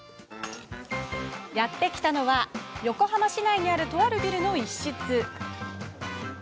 やって来たのは横浜市内にあるとあるビルの一室。